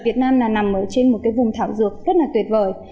việt nam nằm trên một vùng thảo dược rất tuyệt vời